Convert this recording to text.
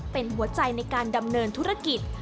เป็นหัวใจในการดำเนินธุรกิจ